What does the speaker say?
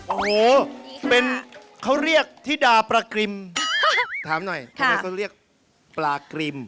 โอ้โหเป็นเขาเรียกธิดาปลากริมถามหน่อยทำไมเขาเรียกปลากริม